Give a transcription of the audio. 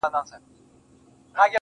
چي ته بېلېږې له خپل كوره څخه~